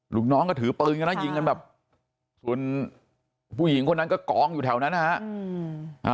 หลุกน้องก็ถือปืนกันแล้วษาส่วนผู้หญิงคนนั้นก็กรองอยู่แถวนั้นนะฮะ